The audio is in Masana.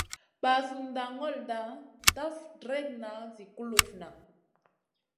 Ɓasunda ŋolda daf dregŋa zi kulufna.